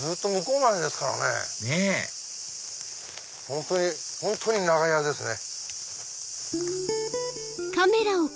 本当に本当に長屋ですね。